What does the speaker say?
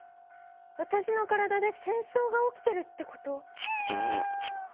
わたしの体で戦争が起きてるってこと？